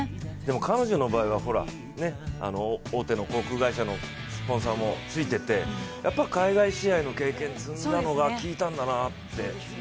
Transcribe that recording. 彼女の場合は大手の航空会社のスポンサーもついてて海外試合の経験を積んだのが利いたんだなって。